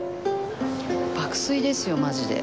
爆睡ですよマジで。